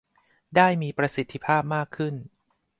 ได้มีประสิทธิภาพมากขึ้น